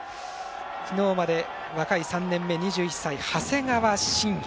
昨日まで若い３年目２１歳、長谷川信哉。